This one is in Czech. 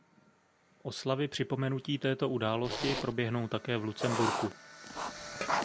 Oslavy připomenutí této události proběhnou také v Lucemburku.